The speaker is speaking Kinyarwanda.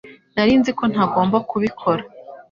Nari nzi ko ntagomba kubikora